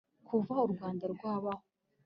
Kuva u Rwanda rwabaho,